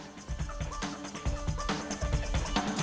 terima kasih pak